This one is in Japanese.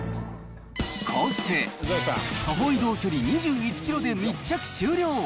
こうして、徒歩移動距離２１キロで密着終了。